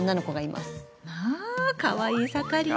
まあかわいい盛りね。